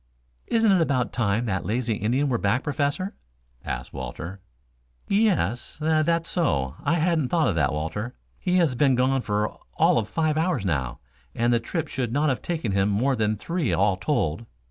"Isn't it about time that lazy Indian were back, Professor?" asked Walter. "Yes, that's so. I hadn't thought of that, Walter. He has been gone all of five hours now, and the trip should not have taken him more than three all told."